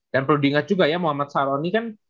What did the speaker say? dan perlu diingat juga ya muhammad saroni kan